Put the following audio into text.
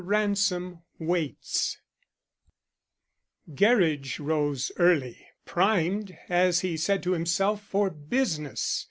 RANSOM WAITS Gerridge rose early, primed, as he said to himself, for business.